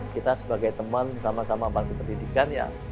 kita sebagai teman sama sama bantu pendidikan ya